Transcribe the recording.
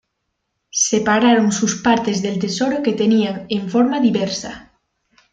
Separaron sus partes del tesoro que tenían en forma diversa.